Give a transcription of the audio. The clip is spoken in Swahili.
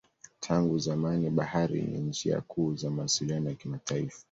Tangu zamani bahari ni njia kuu za mawasiliano ya kimataifa.